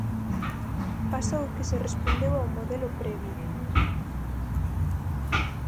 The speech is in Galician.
Pasou que se respondeu ao modelo previo.